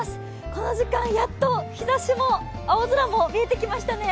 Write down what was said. この時間、やっと日ざしも青空も見えてきましたね。